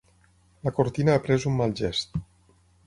La cortina ha pres un mal gest.